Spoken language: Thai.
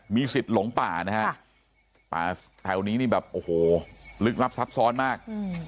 มีสิทธิ์หลงป่านะฮะป่าแถวนี้นี่แบบโอ้โหลึกลับซับซ้อนมาก